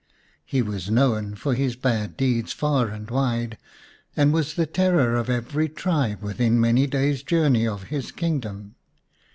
He was known for his bad deeds far and wide, and was the terror of every tribe within many days' journey of his kingdom.